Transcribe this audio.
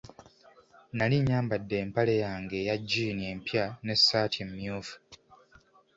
Nnali nyambade empale yange eya jjiini empya n'essaati emmyufu.